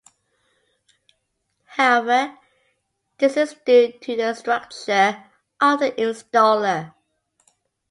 However, this is due to the structure of the installer.